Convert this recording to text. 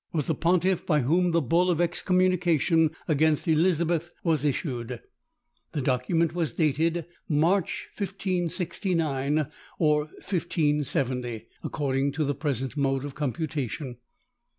was the pontiff by whom the bull of excommunication against Elizabeth was issued. The document was dated March, 1569, or 1570, according to the present mode of computation.